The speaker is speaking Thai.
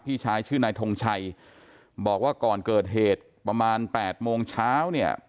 พี่ชายชื่อนายทงชัยบอกว่าก่อนเกิดเหตุประมาณ๘โมงเช้าเนี่ย